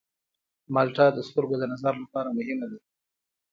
مالټه د سترګو د نظر لپاره مهمه ده.